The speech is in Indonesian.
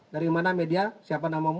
dari mana media siapa namamu